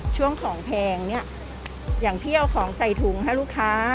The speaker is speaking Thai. ช่วงของแพงเนี่ยอย่างพี่เอาของใส่ถุงให้ลูกค้า